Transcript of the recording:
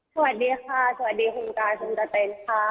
สวัสดีค่ะสวัสดีคุณกายคุณกะเต็นค่ะ